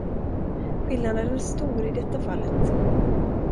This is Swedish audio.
Skillnaden är stor i detta fallet.